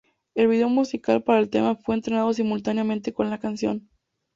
El vídeo musical para el tema fue estrenado simultáneamente con la canción.